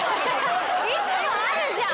いつもあるじゃん。